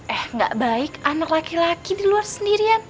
eh gak baik anak laki laki di luar sendirian